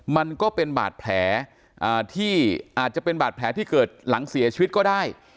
มันก็เป็นบาดแผลที่อาจจะเป็นบาดแผลที่เกิดหลังเสียชีวิตก็ได้